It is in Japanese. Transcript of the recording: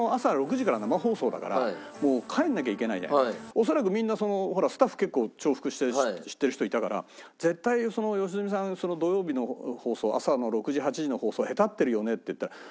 恐らくみんなスタッフ結構重複して知ってる人いたから「絶対良純さんその土曜日の放送朝の６時８時の放送へたってるよね」って言ったら。